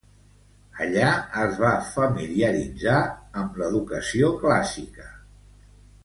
Allà es va familiaritzar amb l'educació clàssica.